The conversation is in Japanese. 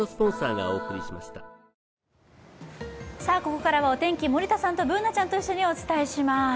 ここからはお天気、森田さんとＢｏｏｎａちゃんと一緒にお伝えします。